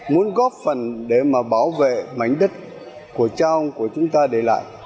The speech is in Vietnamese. muốn góp phần để mà bảo vệ mảnh đất của cha của chúng ta để lại